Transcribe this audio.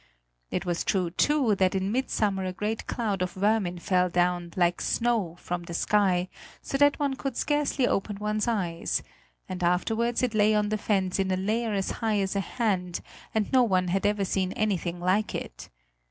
It was true, too, that in midsummer a great cloud of vermin fell down, like snow, from the sky, so that one could scarcely open one's eyes, and afterwards it lay on the fens in a layer as high as a hand, and no one had ever seen anything like it.